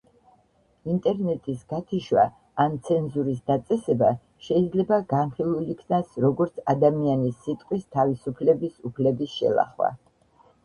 ინტერნეტის გათიშვა ან ცენზურის დაწესება შეიძლება განხილულ იქნას როგორც ადამიანის სიტყვის თავისუფლების უფლების შელახვა.